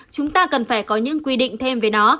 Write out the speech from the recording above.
chúng ta cần phải có những quy định thêm về nó